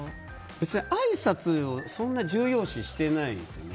別に、あいさつをそんなに重要視してないですね。